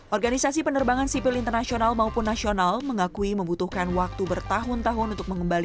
organisasi penerbangan sipil internasional maupun nasional mengakui membutuhkan penerbangan yang berbeda